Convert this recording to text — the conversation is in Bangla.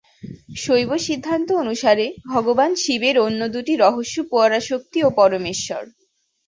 শৈব সিদ্ধান্ত অনুসারে ভগবান শিবের অন্য দুটি রহস্য পরাশক্তি এবং পরমেশ্বর।